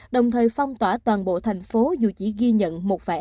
đồng thời phong tỏa toàn bộ thành phố dù chỉ ghi nhận một vẻ